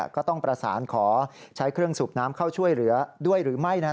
ก็ต้องประสานขอใช้เครื่องสูบน้ำเข้าช่วยเหลือด้วยหรือไม่